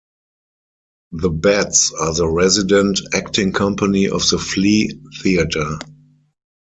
The Bats are the resident acting company of The Flea Theater.